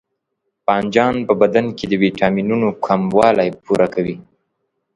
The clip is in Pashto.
بانجان په بدن کې د ویټامینونو کموالی پوره کوي.